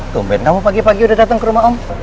tumpen kamu pagi pagi udah dateng ke rumah om